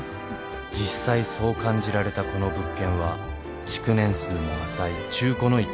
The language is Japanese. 実際そう感じられたこの物件は築年数も浅い中古の一戸建て。